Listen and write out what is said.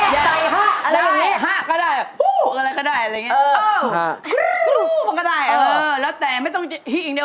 ใส่เหใส่ฮะอะไรอย่างนี้